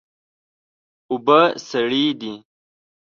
اوبه سړې دي.